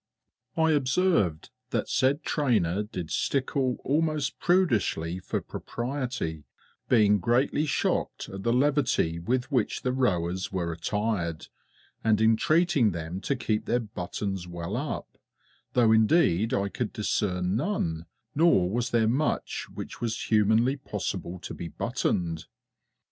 I observed that said trainer did stickle almost prudishly for propriety, being greatly shocked at the levity with which the rowers were attired and entreating them to keep their buttons well up, though indeed I could discern none, nor was there much which was humanly possible to be buttoned.